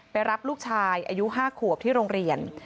รับลูกชายอายุ๕ขวบที่โรงเรียน